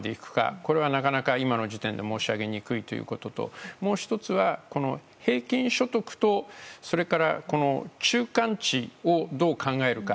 これはなかなか、今の時点では申し上げにくいことともう１つは、平均所得とそれから中間値をどう考えるか。